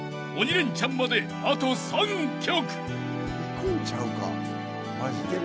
レンチャンまであと３曲］